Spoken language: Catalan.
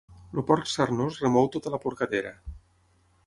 El porc sarnós remou tota la porcatera.